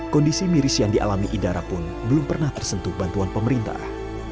kondisi miris yang dialami idara pun belum pernah tersentuh bantuan pemerintah